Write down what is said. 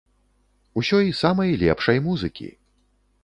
Усёй самай лепшай музыкі!